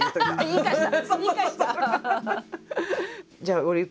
言い返した。